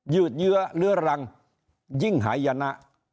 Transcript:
ืดเยื้อเลื้อรังยิ่งหายนะ